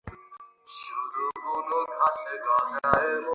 আমি তোমাকে খুন করতে এসেছিলাম।